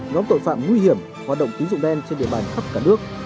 nhóm tội phạm nguy hiểm hoạt động tín dụng đen trên địa bàn khắp cả nước